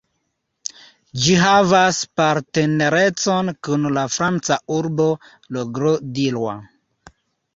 Ĝi havas partnerecon kun la franca urbo Le Grau du Roi.